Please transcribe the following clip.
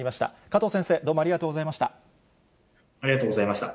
加藤先生、どうもありがとうございました。